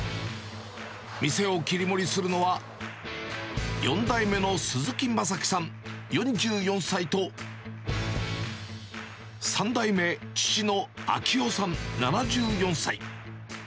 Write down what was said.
店を切り盛りするのは、４代目の鈴木昌樹さん４４歳と、３代目、父の章夫さん７４歳。